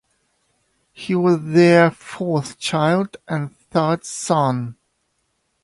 He was their fourth child and third son.